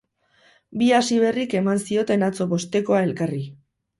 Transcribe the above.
Bi hasiberrik eman zioten atzo bostekoa elkarri.